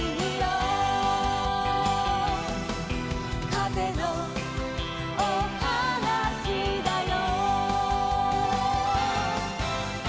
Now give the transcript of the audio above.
「かぜのおはなしだよ」